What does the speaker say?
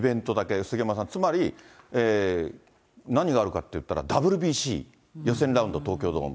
杉山さん、つまり何があるかっていったら、ＷＢＣ、予選ラウンド、東京ドーム。